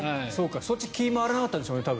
そっちに気が回らなかったんでしょうね。